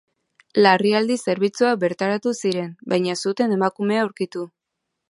Larrialdi zerbitzuak bertaratu ziren, baina ez zuten emakumea aurkitu.